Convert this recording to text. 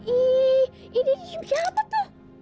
ih ini siapa tuh